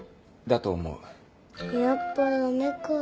やっぱ駄目か。